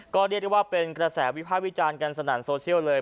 ก็เรียกได้ว่าเป็นกระแสวิภาควิจารณ์กันสนั่นโซเชียลเลย